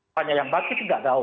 apanya yang bangkit nggak tahu